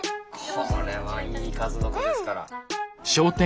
これはいい数の子ですから。